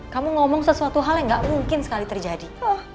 kamu ngomong sesuatu hal yang gak mungkin sekali terjadi